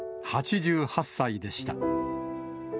８８歳でした。